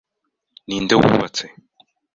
Ninde wubatse?